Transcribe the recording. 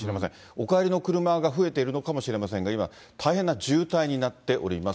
お帰りの車が増えているのかもしれませんが、今、大変な渋滞になっております。